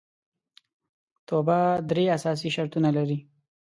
توبه درې اساسي شرطونه لري